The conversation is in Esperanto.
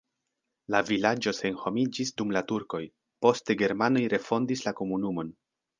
La vilaĝo senhomiĝis dum la turkoj, poste germanoj refondis la komunumon.